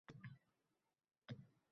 Hech ishlay demasdi